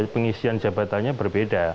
pengisian jabatannya berbeda